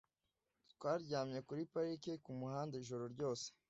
Twaryamye kuri parike kumuhanda ijoro ryose